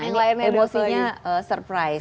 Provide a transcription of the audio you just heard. nah ini emosinya surprise